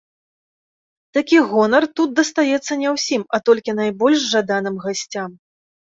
Такі гонар тут дастаецца не ўсім, а толькі найбольш жаданым гасцям.